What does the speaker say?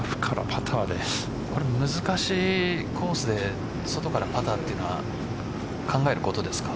これ、難しいコースで外からパターというのは考えることですか。